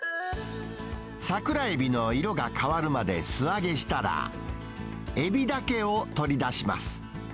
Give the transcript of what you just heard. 桜エビの色が変わるまで素揚げしたら、エビだけを取り出します。